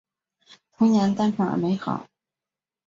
童年单纯而美好